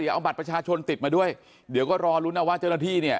เอาบัตรประชาชนติดมาด้วยเดี๋ยวก็รอลุ้นเอาว่าเจ้าหน้าที่เนี่ย